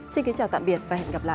xin kính chào tạm biệt và hẹn gặp lại